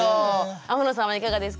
天野さんはいかがですか？